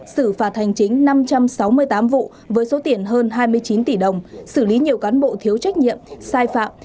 xử phạt hành chính năm trăm sáu mươi tám vụ với số tiền hơn hai mươi chín tỷ đồng xử lý nhiều cán bộ thiếu trách nhiệm sai phạm